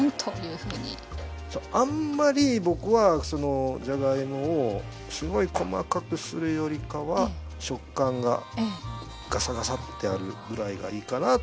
そうあんまり僕はそのじゃがいもをすごい細かくするよりかは食感がガサガサッてあるぐらいがいいかなと僕は思います。